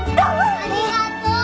ありがとう。